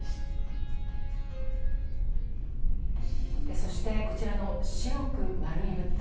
そして、こちらの白く丸い物体